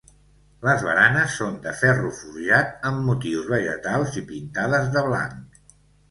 Les baranes són de ferro forjat amb motius vegetals i pintades de blanc.